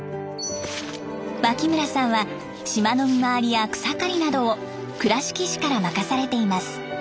脇村さんは島の見回りや草刈りなどを倉敷市から任されています。